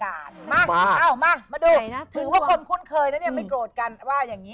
มาดูถือว่าคนคุ้นเคยเองยังไม่โกรธกัน